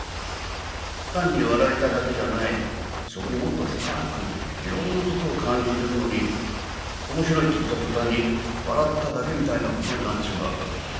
単に笑えただけじゃないそこにもっと深くいろんなことを感じてるのにおもしろいって言ったとたんに笑っただけみたいなことになっちまうわけだよ。